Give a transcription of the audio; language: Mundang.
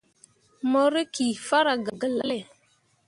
Mo rǝkki farah gah gelale.